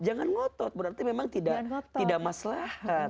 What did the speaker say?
jangan ngotot berarti memang tidak maslahan